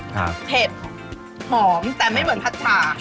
หอมแต่ไม่เหมือนพัดฉ่า